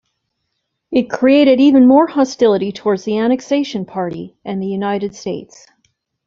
It created even more hostility towards the annexation party, and the United States.